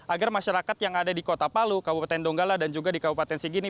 agar masyarakat yang ada di kota palu kabupaten donggala dan juga di kabupaten sigini